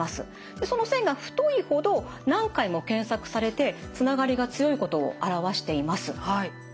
その線が太いほど何回も検索されてつながりが強いことを表しています。